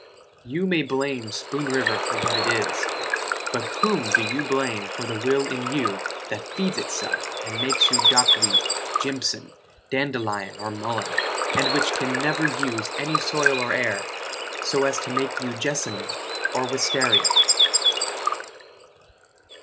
You may blame Spoon River for what it is, But whom do you blame for the will in you That feeds itself and makes you dock weed, Jimpson, dandelion or mullen And which can never use any soil or air So as to make you jessamine or wistaria?